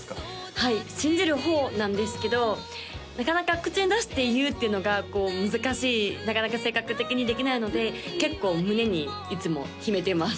はい信じる方なんですけどなかなか口に出して言うっていうのがこう難しいなかなか性格的にできないので結構胸にいつも秘めてます